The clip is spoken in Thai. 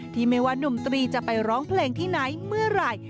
ไม่ว่านุ่มตรีจะไปร้องเพลงที่ไหนเมื่อไหร่